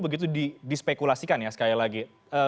begitu dispekulasikan ya sekali lagi